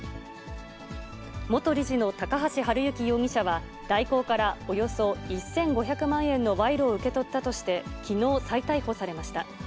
元理事の高橋治之容疑者は、大広から、およそ１５００万円の賄賂を受け取ったとして、きのう再逮捕されました。